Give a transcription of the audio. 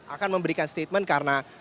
akan memberikan statement karena